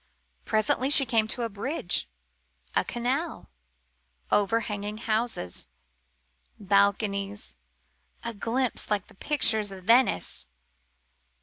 Presently she came to a bridge a canal overhanging houses balconies a glimpse like the pictures of Venice.